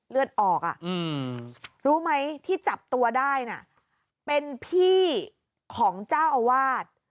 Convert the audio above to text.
เลือดออกอ่ะรู้ไหมที่จับตัวได้น่ะเป็นพี่ของเจ้าอาวาส